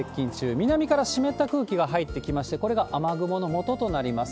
南から湿った空気が入ってきまして、これが雨雲のもととなります。